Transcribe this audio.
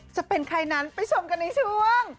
จะเป็นใครนั้นไปชมกันในช่วง